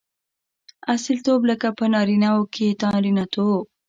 اصیلتوب؛ لکه په نارينه وو کښي نارينه توب.